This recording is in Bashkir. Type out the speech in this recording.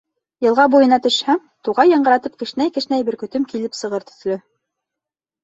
Йылға буйына төшһәм, туғай яңғыратып кешнәй-кешнәй, Бөркөтөм килеп сығыр төҫлө.